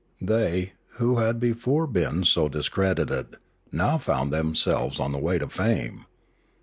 They, who had before been so discredited, now found them selves on the way to fame.